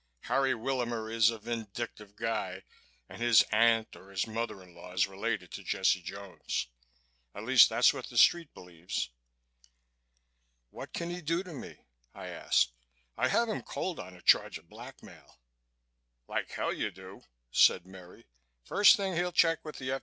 Harry Willamer is a vindictive guy and his aunt or his mother in law is related to Jesse Jones. At least that's what the Street believes." "What can he do to me?" I asked. "I have him cold on a charge of blackmail." "Like hell you do!" said Merry. "First thing he'll check with the F.